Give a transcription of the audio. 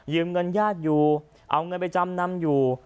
เงินญาติอยู่เอาเงินไปจำนำอยู่